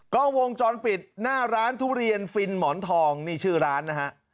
ก็วงจรปิดหน้าร้านทุเรียนฟินหมอนทองนี่ชื่อร้านนะฮะ